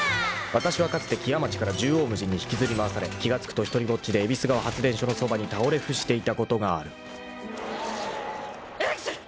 ［わたしはかつて木屋町から縦横無尽に引きずり回され気が付くと独りぼっちで夷川発電所のそばに倒れ伏していたことがある］へくしょん！